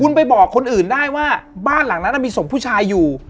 คุณไปบอกคนอื่นได้ว่าบ้านหลังนั้นมีศพผู้ชายอยู่